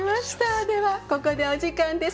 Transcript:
ではここでお時間です。